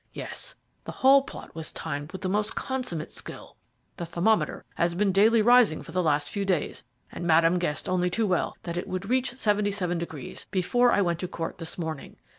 Yes, the whole plot was timed with the most consummate skill. The thermometer has been daily rising for the last few days, and Madame guessed only too well that it would reach seventy seven degrees before I went to court this morning.